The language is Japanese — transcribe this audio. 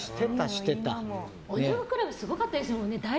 おニャン子クラブすごかったですもんね。